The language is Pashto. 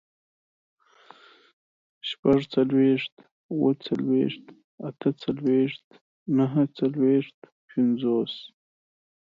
شپږڅلوېښت، اووه څلوېښت، اته څلوېښت، نهه څلوېښت، پينځوس